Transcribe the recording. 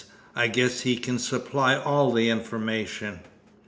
I guess he can supply all information."